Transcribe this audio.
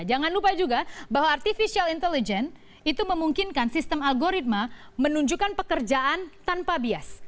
jangan lupa juga bahwa artificial intelligence itu memungkinkan sistem algoritma menunjukkan pekerjaan tanpa bias